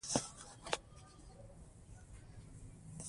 لاسونه پر تندي مه ږده.